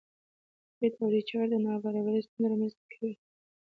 کیټ او ریچارډ نابرابري ستونزې رامنځته کوي.